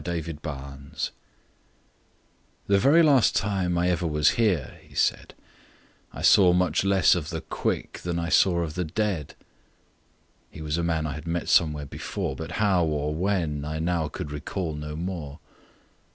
JUBILATE "THE very last time I ever was here," he said, "I saw much less of the quick than I saw of the dead." —He was a man I had met with somewhere before, But how or when I now could recall no more.